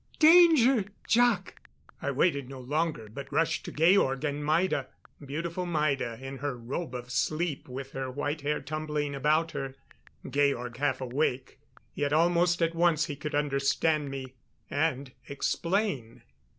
Danger! Jac!"_ I waited no longer, but rushed to Georg and Maida beautiful Maida in her robe of sleep with her white hair tumbling about her. Georg half awake yet almost at once he could understand me, and explain.